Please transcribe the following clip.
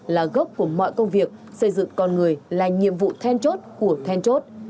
là gốc của mọi công việc xây dựng con người là nhiệm vụ then chốt của then chốt